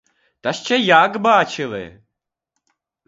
Та ще як бачили!